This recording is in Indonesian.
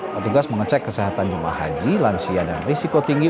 petugas mengecek kesehatan jemaah haji lansia dan risiko tinggi